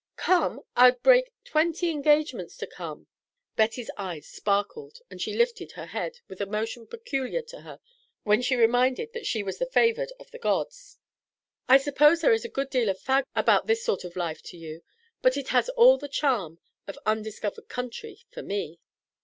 "Come! I'd break twenty engagements to come." Betty's eyes sparkled and she lifted her head with a motion peculiar to her when reminded that she was the favoured of the gods. "I suppose there is a good deal of fag about this sort of life to you, but it has all the charm of the undiscovered country for me."